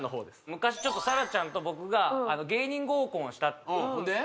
昔ちょっと沙羅ちゃんと僕が芸人合コンをしたほんで？